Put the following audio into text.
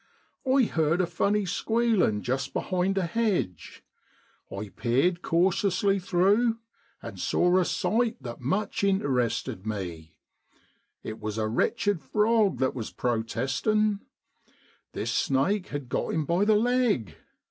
I heard a funny squealing just behind a hedge. I peered cautiously through, and saw a sight that much interested me: it was a wretched frog that was protesting ; this snake had got him by the leg.